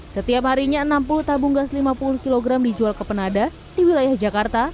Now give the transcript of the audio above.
setiap harinya enam puluh tabung gas lima puluh kg dijual ke penada di wilayah jakarta